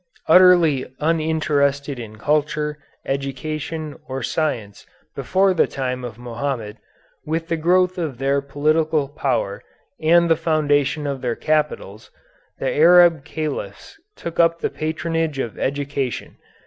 Utterly uninterested in culture, education, or science before the time of Mohammed, with the growth of their political power and the foundation of their capitals, the Arab Caliphs took up the patronage of education.